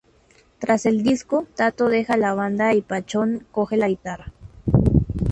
Tras el disco, Tato deja la banda y Pachón coge la guitarra.